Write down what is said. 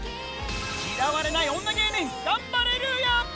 嫌われない女芸人、ガンバレルーヤ。